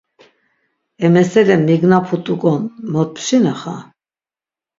E mesele mignaput̆ukon mot pşinaxa?